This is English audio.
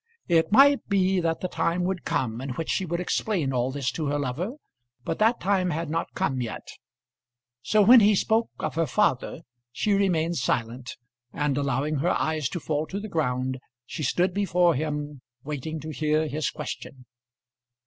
It might be that the time would come in which she would explain all this to her lover, but that time had not come yet. So when he spoke of her father she remained silent, and allowing her eyes to fall to the ground she stood before him, waiting to hear his question.